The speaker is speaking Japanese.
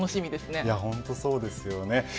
本当にそうですよね。